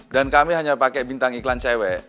kami hanya pakai bintang iklan cewek